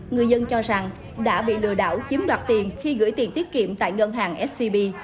người dân cho rằng đã bị lừa đảo chiếm đoạt tiền khi gửi tiền tiết kiệm tại ngân hàng scb